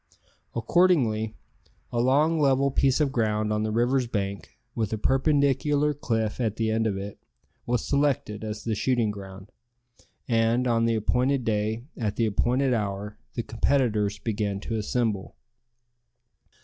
Accordingly, a long level piece of ground on the river's bank, with a perpendicular cliff at the end of it, was selected as the shooting ground, and, on the appointed day, at the appointed hour, the competitors began to assemble.